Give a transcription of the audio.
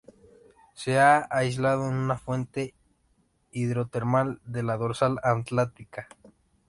Se ha aislado en una fuente hidrotermal de la Dorsal Atlántica.